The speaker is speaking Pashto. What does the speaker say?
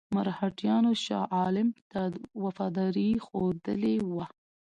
مرهټیانو شاه عالم ته وفاداري ښودلې وه.